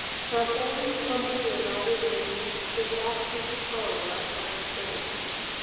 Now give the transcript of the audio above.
Now fold in slumber your laggard wings, For soft is the song my paddle sings.